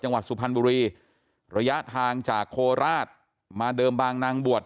สุพรรณบุรีระยะทางจากโคราชมาเดิมบางนางบวช